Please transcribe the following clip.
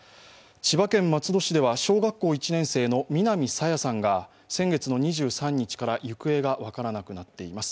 千葉県松戸市では小学１年生の南朝芽さんが先月の２３日から行方が分からなくなっています。